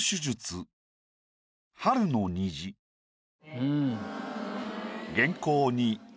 うん。